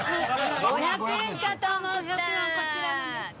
５００円かと思ったー！